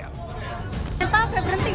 kereta api berhenti guys